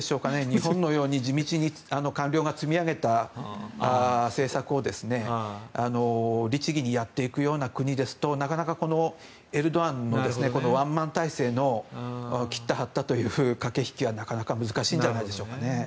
日本のように地道に官僚が積み上げた政策を律儀にやっていくような国ですとなかなかこのエルドアンのこのワンマン体制の切った張ったという駆け引きはなかなか難しいんじゃないでしょうかね。